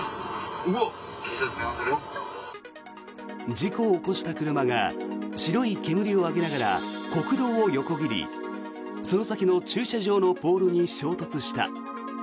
事故を起こした車が白い煙を上げながら国道を横切りその先の駐車場のポールに衝突した。